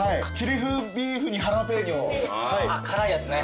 辛いやつね。